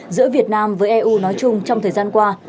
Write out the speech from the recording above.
giữa việt nam với eu nói chung trong thời gian qua